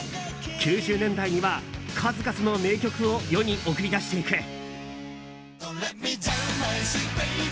９０年代には数々の名曲を世に送り出していく。